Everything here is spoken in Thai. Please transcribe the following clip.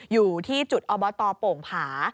อยู่ที่จุดอบตโป่งผา